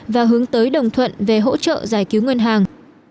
và hướng tới đồng thuận về hỗ trợ giải cứu ngân hàng